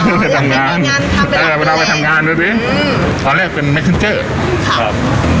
อ๋ออยากไปทำงานเออมาทำงานดูสิอืมตอนแรกเป็นครับ